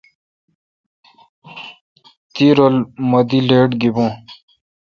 تی رو لہ می دی لیٹ گیبوں۔